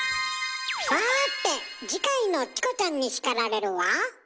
さて次回の「チコちゃんに叱られる」は？